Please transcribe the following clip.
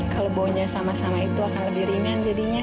kalau baunya sama sama itu akan lebih ringan jadinya